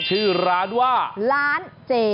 ชื่อร้านว่าร้านเจ